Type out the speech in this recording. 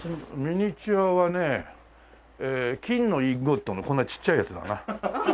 ミニチュアはね金のこんなちっちゃいやつだな。